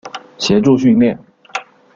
协助训练。